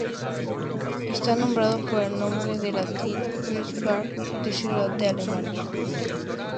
Está nombrado por el nombre en latín de Wiesbaden, una ciudad de Alemania.